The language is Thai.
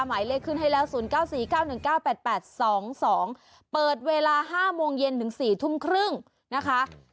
หมายเลขขึ้นให้แล้ว๐๙๔๙๑๙๘๘๒๒เปิดเวลา๕โมงเย็นถึง๔ทุ่มครึ่งนะคะ